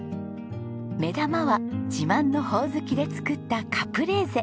目玉は自慢のホオズキで作ったカプレーゼ。